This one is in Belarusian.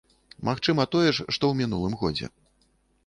Магчыма, тое ж, што ў мінулым годзе.